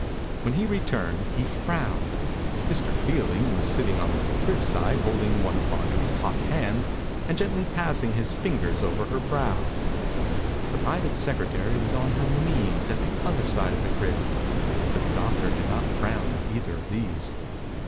When he returned he frowned. Mr. Fielding was sitting on the cribside holding one of Mar jorie's hot h^nds and gently pass ing his fingers over her brow. The private secretary was on her knees at the other side of the crib. But the doctor did not frown at either of these.